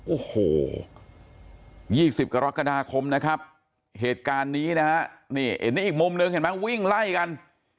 โอ้โห๒๐กรกฎาคมนะครับเหตุการณ์นี้นะฮะนี่เห็นนี่อีกมุมหนึ่งเห็นไหมวิ่งไล่กัน